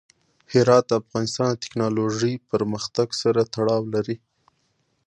هرات د افغانستان د تکنالوژۍ پرمختګ سره تړاو لري.